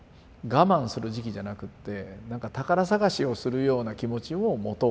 我慢する時期じゃなくってなんか宝探しをするような気持ちを持とう一方でっていう。